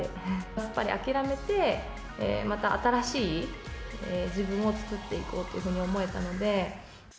すっぱり諦めて、また新しい自分を作っていこうっていうふうに思えたので。